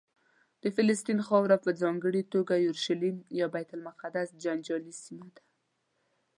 د فلسطین خاوره په ځانګړې توګه یورشلیم یا بیت المقدس جنجالي سیمه ده.